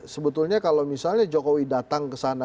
sebetulnya kalau misalnya jokowi datang ke sana